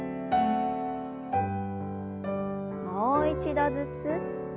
もう一度ずつ。